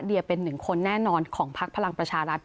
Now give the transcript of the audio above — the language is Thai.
เรียเป็นหนึ่งคนแน่นอนของภาคพลังประชาลัพธ์